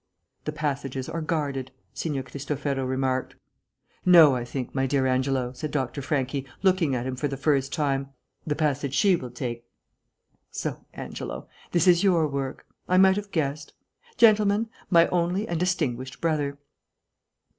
"The passages are guarded," Signor Cristofero remarked. "Not, I think, my dear Angelo," said Dr. Franchi, looking at him for the first time, "the passage she will take.... So, Angelo, this is your work. I might have guessed. Gentlemen, my only and distinguished brother."